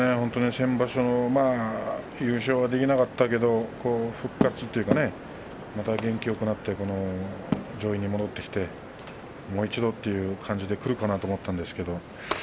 先場所、優勝はできなかったけども復活といいますかねまた元気よくなって上位に戻ってきてもう一度っていう感じでくるかなと思ったんですけれども。